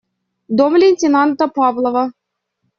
Дом лейтенанта Павлова.